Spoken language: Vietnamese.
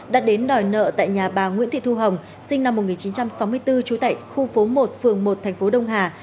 đã đến đòi nợ tại nhà bà nguyễn thị thu hồng sinh năm một nghìn chín trăm sáu mươi bốn trú tại khu phố một phường một thành phố đông hà